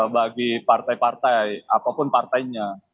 bagi partai partai apapun partainya